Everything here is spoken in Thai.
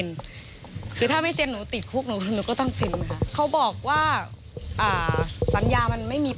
แล้วพอมาดูที่หนังแล้วเสียความรู้สึกไหม